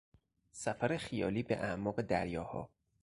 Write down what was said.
سفر خیالی به اعماق دریاها